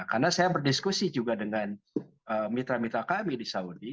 karena saya berdiskusi juga dengan mitra mitra kami di saudi